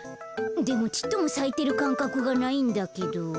でもちっともさいてるかんかくがないんだけど。